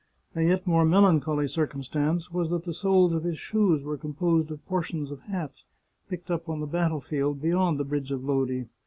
A yet more melancholy circumstance was that the soles of his shoes were composed of portions of hats, picked up on the battlefield beyond the Bridge of Lodi.